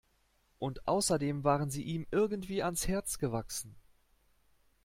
Und außerdem waren sie ihm irgendwie ans Herz gewachsen.